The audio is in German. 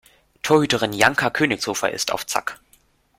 Torhüterin Janka Königshofer ist auf Zack.